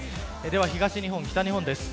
東日本、北日本です。